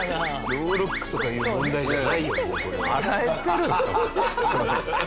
ノールックとかいう問題じゃないよねこれ。